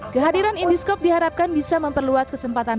kehadiran indiscope diharapkan bisa memperluas kesempatan